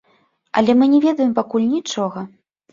Але мы не ведаем пакуль нічога.